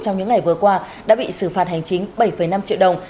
trong những ngày vừa qua đã bị xử phạt hành chính bảy năm triệu đồng